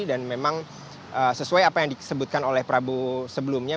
dan memang sesuai apa yang disebutkan oleh prabowo sebelumnya